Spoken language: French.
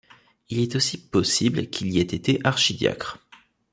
Il est aussi possible qu'il y ait été archidiacre.